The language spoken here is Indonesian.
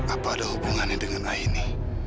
apa ada hubungannya dengan aini